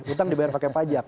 utang dibayar pakai pajak